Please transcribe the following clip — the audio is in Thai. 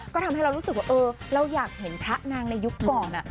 ก็ทำให้เรารู้สึกว่าเออเราอยากเห็นพระนางในยุคก่อน